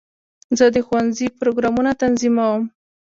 زه د ښوونځي پروګرامونه تنظیموم.